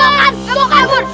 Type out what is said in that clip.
bukan kamu kabur